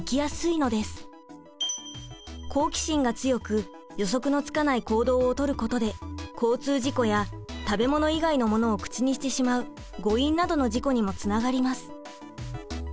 好奇心が強く予測のつかない行動を取ることで交通事故や食べ物以外のものを口にしてしまう誤飲などの事故にもつながります。